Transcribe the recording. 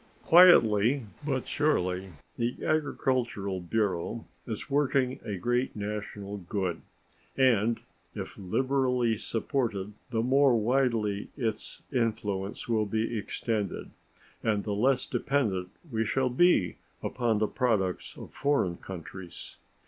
Quietly but surely the Agricultural Bureau is working a great national good, and if liberally supported the more widely its influence will be extended and the less dependent we shall be upon the products of foreign countries.